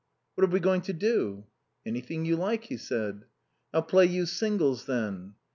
"What are we going to do?" "Anything you like," he said. "I'll play you singles, then."